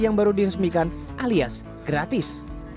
yang baru diresmikan alias gratis